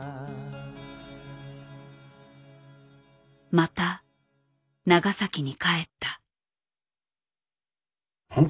また長崎に帰った。